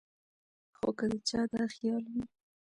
خو کۀ د چا دا خيال وي